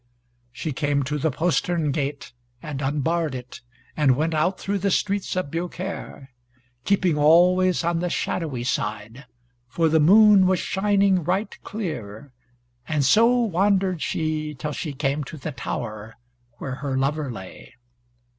She came to the postern gate, and unbarred it, and went out through the streets of Biaucaire, keeping always on the shadowy side, for the moon was shining right clear, and so wandered she till she came to the tower where her lover lay.